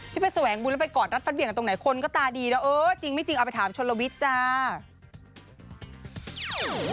ไปแสวงบุญแล้วไปกอดรัดฟัดเหวี่ยกันตรงไหนคนก็ตาดีแล้วเออจริงไม่จริงเอาไปถามชนลวิทย์จ้า